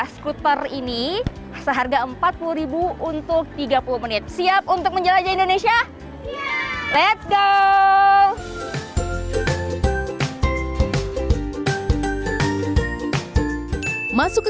skuter ini seharga empat puluh untuk tiga puluh menit siap untuk menjelajah indonesia ⁇ lets ⁇ go masuk ke